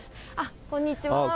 こんにちは。